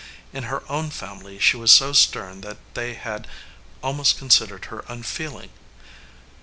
In her own family she was so stern that they had almost considered her un feeling.